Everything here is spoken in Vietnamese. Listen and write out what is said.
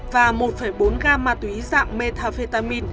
và một bốn g ma túy dạng một g